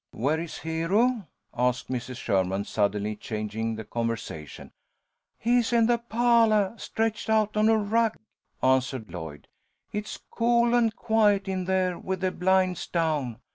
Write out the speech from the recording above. "Where is Hero?" asked Mrs. Sherman, suddenly changing the conversation. "He's in the pahlah, stretched out on a rug," answered Lloyd. "It's cool and quiet in there with the blinds down.